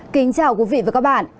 kính chào quý vị và các bạn